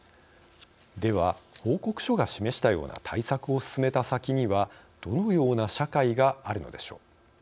では、報告書が示したような対策を進めた先にはどのような社会があるのでしょう。